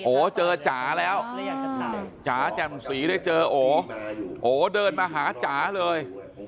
โอเจอจ๋าแล้วจ๋าแจ่มสีได้เจอโอโอเดินมาหาจ๋าเลย